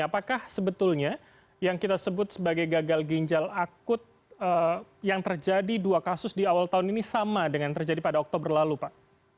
apakah sebetulnya yang kita sebut sebagai gagal ginjal akut yang terjadi dua kasus di awal tahun ini sama dengan terjadi pada oktober lalu pak